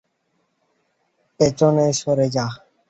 পেছনে সরে যা।